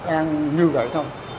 ăn như vậy thôi